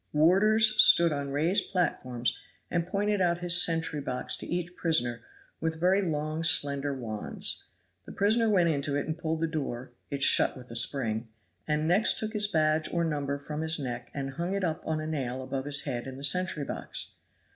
Warders stood on raised platforms and pointed out his sentry box to each prisoner with very long slender wands; the prisoner went into it and pulled the door (it shut with a spring), and next took his badge or number from his neck and hung it up on a nail above his head in the sentry box.